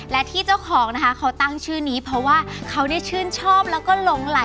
และที่เจ้าของนะคะเขาตั้งชื่อนี้เพราะว่า